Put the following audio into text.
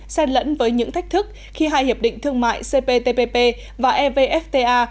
xen lẫn với những thách thức khi hai hiệp định thương mại cptpp và evfta